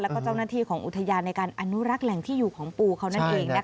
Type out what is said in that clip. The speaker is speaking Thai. แล้วก็เจ้าหน้าที่ของอุทยานในการอนุรักษ์แหล่งที่อยู่ของปูเขานั่นเองนะคะ